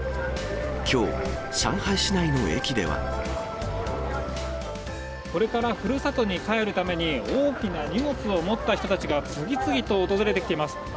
きょう、これからふるさとに帰るために、大きな荷物を持った人たちが次々と訪れてきています。